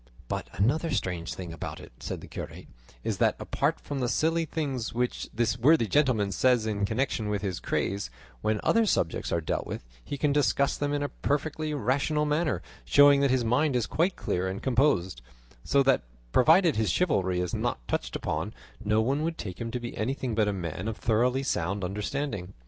"But another strange thing about it," said the curate, "is that, apart from the silly things which this worthy gentleman says in connection with his craze, when other subjects are dealt with, he can discuss them in a perfectly rational manner, showing that his mind is quite clear and composed; so that, provided his chivalry is not touched upon, no one would take him to be anything but a man of thoroughly sound understanding."